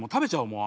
もう。